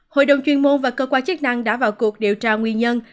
hội đồng chuyên môn và cơ quan chức năng đã vào cuộc điều tra nguyên nhân